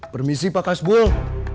permisi pak hasbul